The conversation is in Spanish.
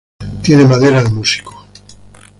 Tiene madera de músico.